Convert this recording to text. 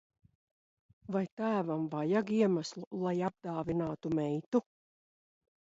Vai tēvam vajag iemeslu, lai apdāvinātu meitu?